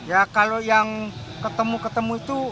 ya kalau yang ketemu ketemu itu